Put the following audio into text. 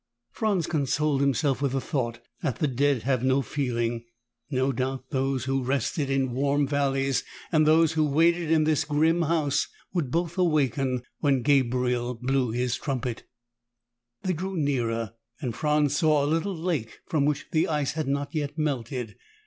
Franz consoled himself with the thought that the dead have no feeling. No doubt those who rested in warm valleys and those who waited in this grim house would both awaken when Gabriel blew his trumpet. They drew nearer, and Franz saw a little lake from which the ice had not yet melted.